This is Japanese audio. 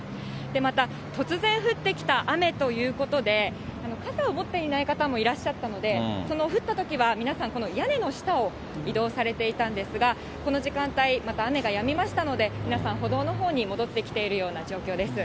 また、突然降ってきた雨ということで、傘を持っていない方もいらっしゃったので、その降ったときは皆さん、この屋根の下を移動されていたんですが、この時間帯、また雨がやみましたので、皆さん、歩道のほうに戻ってきているような状況です。